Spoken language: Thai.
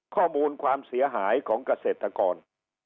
ข้อมูลความเสียหายของเกษตรกร